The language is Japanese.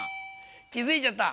気付いちゃった？